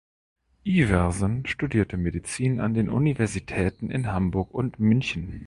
Iversen studierte Medizin an den Universitäten in Hamburg und München.